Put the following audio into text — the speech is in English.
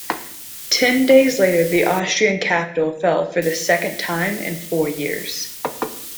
Ten days later, the Austrian capital fell for the second time in four years.